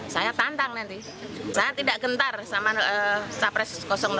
saya tantang nanti saya tidak gentar sama capres dua